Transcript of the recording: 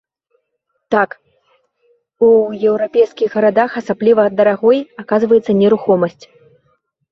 Так, у еўрапейскіх гарадах асабліва дарагой аказваецца нерухомасць.